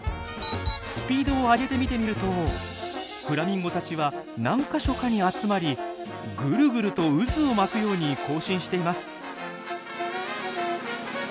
スピードを上げて見てみるとフラミンゴたちは何か所かに集まりぐるぐると渦を巻くように行進しています。